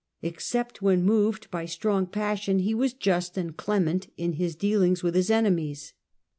Except when moved by strong j passion, he was just and clement in his dealings with his enemies.